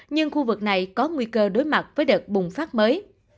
nhưng khu vực này có nguy cơ đối mặt với đợt bùng phát mới